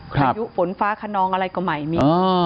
พายุฝนฟ้าขนองอะไรก็ไม่มี